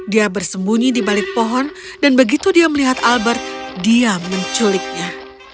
dia bersembunyi di balik pohon dan begitu dia melihat albert dia menculiknya